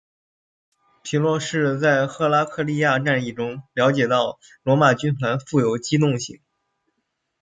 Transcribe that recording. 皮洛士在赫拉克利亚战役中了解到罗马军团富有机动性。